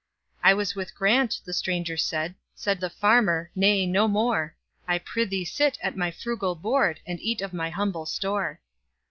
"I was with Grant"—the stranger said; Said the farmer, "Nay, no more,—I prithee sit at my frugal board, And eat of my humble store.